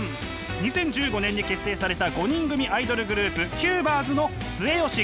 ２０１５年に結成された５人組アイドルグループＣＵＢＥＲＳの末吉９